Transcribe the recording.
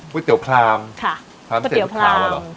กุ้งเตี๋ยวพราหมฯเค้าทำเตี๋ยวพราหมฯแหละหรอ